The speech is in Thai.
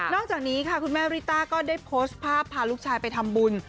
จากนี้ค่ะคุณแม่ริต้าก็ได้โพสต์ภาพพาลูกชายไปทำบุญ